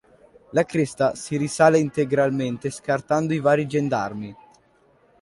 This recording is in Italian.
La cresta si risale integralmente scartando i vari gendarmi.